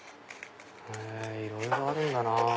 へぇいろいろあるんだなぁ。